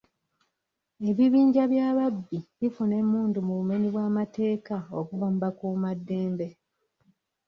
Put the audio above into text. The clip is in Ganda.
Ebibinja by'ababbi bifuna emmundu mu bumenyi bw'amateeka okuva ku bakuumaddembe.